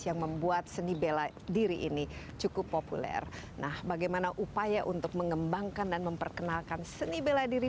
yang membuat seni bela diri menjadi seni bela diri